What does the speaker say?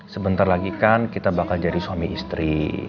sebentar lagi kan kita bakal jadi suami istri